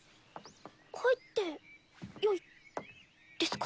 入ってよいですか？